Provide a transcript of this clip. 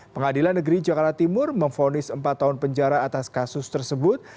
pengadilan negeri jakarta timur memfonis empat tahun penjara atas kasus tersebut